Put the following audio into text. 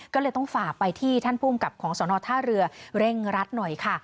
ก็เลยต้องฝากไปที่ท่านภูมิกับของสนท่าเรือเร่งรัดหน่อยค่ะ